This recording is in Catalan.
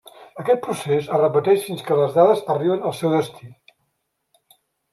Aquest procés es repeteix fins que les dades arribin al seu destí.